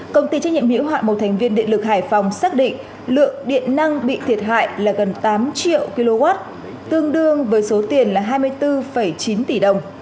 công ty trách nhiệm hữu hạn một thành viên điện lực hải phòng xác định lượng điện năng bị thiệt hại là gần tám triệu kw tương đương với số tiền là hai mươi bốn chín tỷ đồng